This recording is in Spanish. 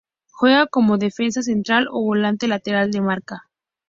Juega como defensa central o volante lateral de marca.